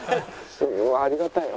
ありがたい。